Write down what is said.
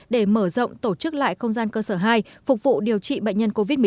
để mở rộng tổ chức lại không gian cơ sở hai phục vụ điều trị bệnh nhân covid một mươi chín